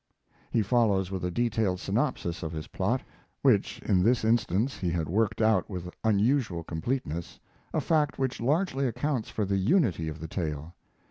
He follows with a detailed synopsis of his plot, which in this instance he had worked out with unusual completeness a fact which largely accounts for the unity of the tale.